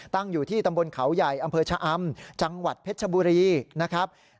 ตั้งอยู่ที่ตำบลเขาใหญ่อำเภอชะอำจังหวัดเพชรชบุรีนะครับ